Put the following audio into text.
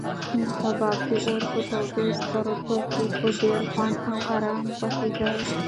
کباب د اور په تودو سکروټو کې په ډېر خوند او ارام پخېده.